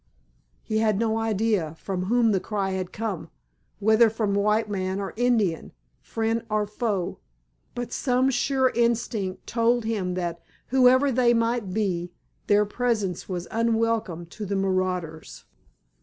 He had no idea from whom the cry had come, whether from white man or Indian, friend or foe; but some sure instinct told him that whoever they might be their presence was unwelcome to the marauders.